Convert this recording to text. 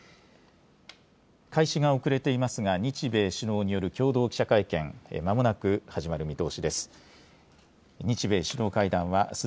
開始が遅れていますが、日米首脳による共同記者会見、まもなく始まる見通しです。